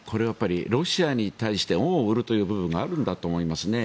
ロシアに対して恩を売る部分があるんだと思いますね。